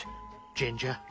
ジンジャー。